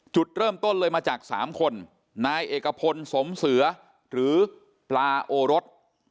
จุดเริ่มต้นเลยมาจาก๓คนนายเอกพลสมเสือหรือปลาโอรส